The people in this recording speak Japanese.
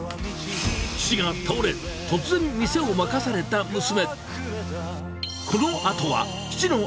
父が倒れ、突然、店を任された娘。